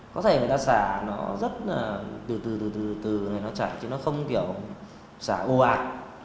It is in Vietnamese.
có thể người ta xả nó rất là từ từ từ từ từ từ này nó chạy chứ nó không kiểu xả ồ ạt